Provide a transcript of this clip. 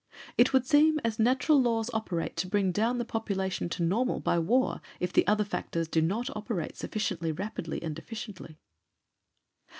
It would seem as natural laws operate to bring down the population to normal by war if the other factors do not operate sufficiently rapidly and efficiently.